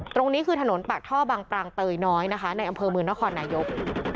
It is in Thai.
ตรงนี้คือถนนปากท่อบางปรางเตยน้อยนะคะในอำเภอเมืองนครนายก